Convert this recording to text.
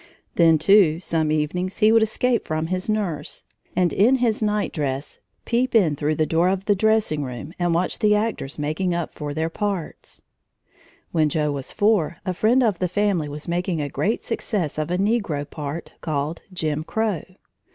Then, too, some evenings he would escape from his nurse, and, in his night dress, peep in through the door of the dressing room and watch the actors making up for their parts. When Joe was four, a friend of the family was making a great success of a negro part called "Jim Crow."